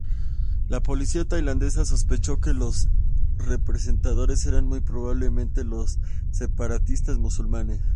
La policía tailandesa sospechó que los perpetradores eran muy probablemente los separatistas musulmanes.